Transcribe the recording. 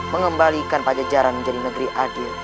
mengembalikan pajajaran menjadi negeri adil